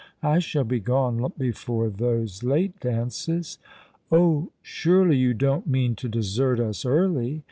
I shall be gone long before those late dances." " Oh, surely, you don't mean to desert us early.